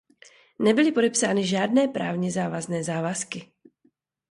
Nebyly podepsány žádné právně závazné závazky.